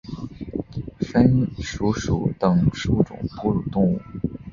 鼢鼠属等数种哺乳动物。